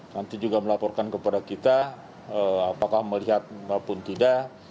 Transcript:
nanti juga melaporkan kepada kita apakah melihat maupun tidak